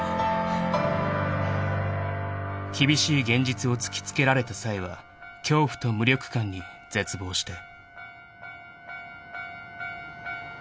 ［厳しい現実を突き付けられた冴は恐怖と無力感に絶望して］